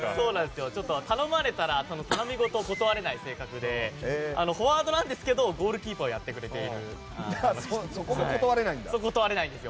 頼まれたら頼みごとを断れない性格でフォワードなんですけどゴールキーパーをそこも断れないんだ。